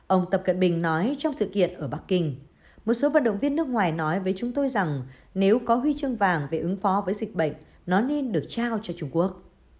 ông tập cận bình nói trong sự kiện ở bắc kinh một số vận động viên nước ngoài nói với chúng tôi rằng nếu có huy chương vàng về ứng phó với dịch bệnh nó nên được trao cho trung quốc